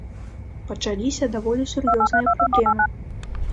Пачаліся даволі сур'ёзныя праблемы.